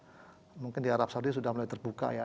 online dan juga mungkin di arab saudia sudah mulai terbuka ya